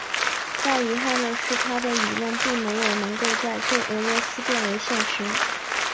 但遗憾的是他的理论并没有能够在旧俄罗斯变为现实。